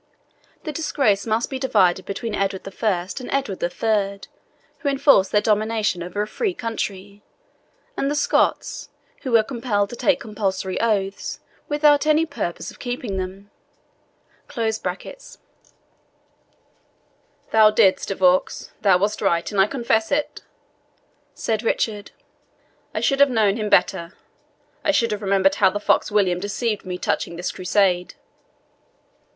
The disgrace must be divided between Edward I. and Edward III., who enforced their domination over a free country, and the Scots, who were compelled to take compulsory oaths, without any purpose of keeping them.] "Thou didst, De Vaux; thou wast right, and I confess it," said Richard. "I should have known him better I should have remembered how the fox William deceived me touching this Crusade."